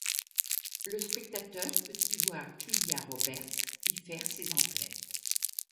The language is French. Le spectateur peut y voir Julia Roberts y faire ses emplettes.